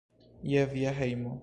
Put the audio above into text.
Je via hejmo!